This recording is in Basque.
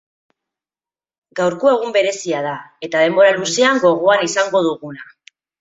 Gaurkoa egun berezia da, eta denbora luzean gogoan izango duguna.